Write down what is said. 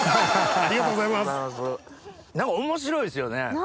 面白いですよね。